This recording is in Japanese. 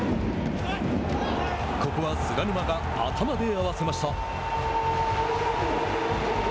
ここは菅沼が頭で合わせました。